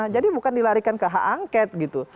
jadi bukan dilarikan ke hak angket